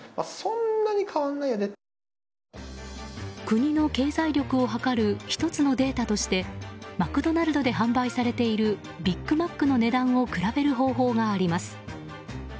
国の経済力を測る１つのデータとしてマクドナルドで販売されているビッグマックの値段を比べる方法があります。